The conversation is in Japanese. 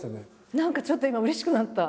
何かちょっと今うれしくなった。